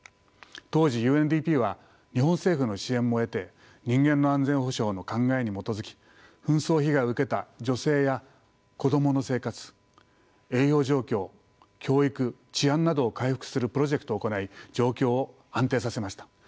当時ＵＮＤＰは日本政府の支援も得て人間の安全保障の考えに基づき紛争被害を受けた女性や子供の生活栄養状況教育治安などを回復するプロジェクトを行い状況を安定させました。